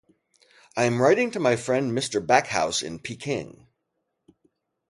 I am writing to my friend Mr. Backhouse in Peking.